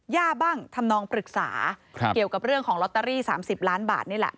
บ้างทำนองปรึกษาเกี่ยวกับเรื่องของลอตเตอรี่๓๐ล้านบาทนี่แหละ